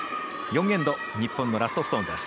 ４エンド、日本のラストストーン。